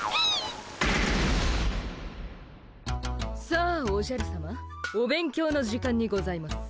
さあおじゃるさまお勉強の時間にございます。